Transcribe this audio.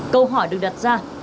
câu hỏi được đặt ra